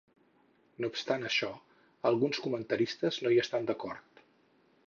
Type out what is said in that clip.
No obstant això, alguns comentaristes no hi estan d"acord.